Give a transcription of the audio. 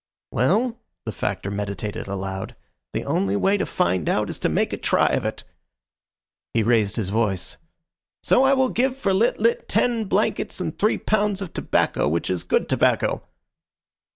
"Well," the Factor meditated aloud, "the only way to find out is to make a try of it." He raised his voice. "So I will give for Lit lit ten blankets and three pounds of tobacco which is good tobacco."